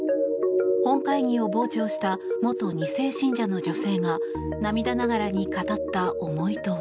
本会議を傍聴した元２世信者の女性が涙ながらに語った思いとは。